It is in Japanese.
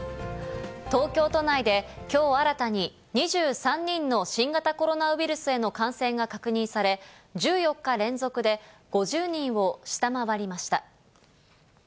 東京都内で、きょう新たに２３人の新型コロナウイルスへの感染が確認され、１４日連続で５０人を下回りました。